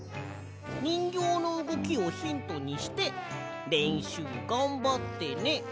にんぎょうのうごきをヒントにしてれんしゅうがんばってね。